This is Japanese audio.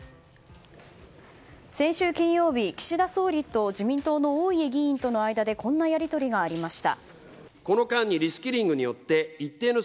先週金曜日、岸田総理と自民党の大家議員との間でこんなやり取りがありました。